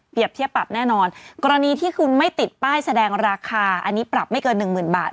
เทียบปรับแน่นอนกรณีที่คุณไม่ติดป้ายแสดงราคาอันนี้ปรับไม่เกินหนึ่งหมื่นบาท